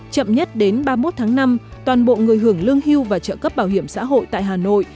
chậm nhất đến ba mươi một tháng năm toàn bộ người hưởng lương hưu và trợ cấp bảo hiểm xã hội tại hà nội